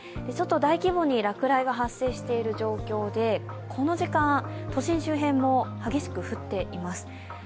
大規模に落雷が発生している状況でこの時間、都心周辺も激しく降っています。